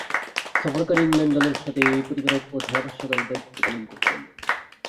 সফরকারী England দলের সাথে প্রতিবেদক ও ধারাভাষ্যকারের দায়িত্ব পালন করতেন।